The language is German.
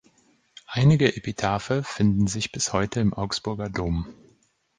Einige Epitaphe finden sich bis heute im Augsburger Dom.